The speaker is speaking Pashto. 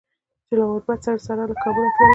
چې له غربت سره سره له کابله تللي